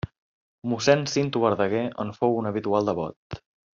Mossèn Cinto Verdaguer en fou un habitual devot.